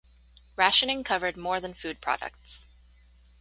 Rationing covered more than food products.